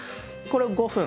これを５分。